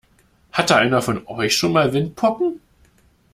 Hatte einer von euch schon mal Windpocken?